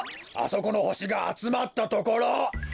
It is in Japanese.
あそこのほしがあつまったところ。